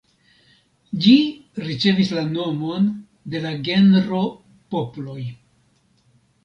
Ĝi ricevis la nomon de la genro Poploj.